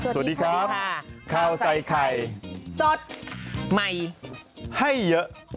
สวัสดีครับข้าวใส่ไข่สดใหม่ให้เยอะ